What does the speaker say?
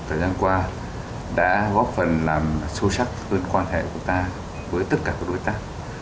thời gian qua đã góp phần làm sâu sắc hơn quan hệ của ta với tất cả các đối tác